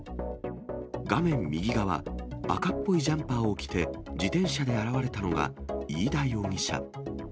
画面右側、赤っぽいジャンパーを着て、自転車で現れたのが飯田容疑者。